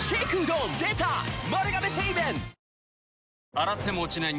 洗っても落ちない